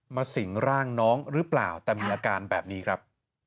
สิ่งร่างน้องหรือเปล่าแต่มีอาการแบบนี้ครับ